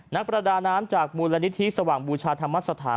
นักประดาน้ำจากมูลนิธิสว่างบูชาธรรมสถาน